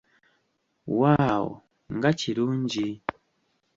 Waawo, nga kirungi!